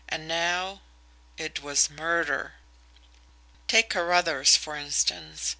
And now it was MURDER! Take Carruthers, for instance.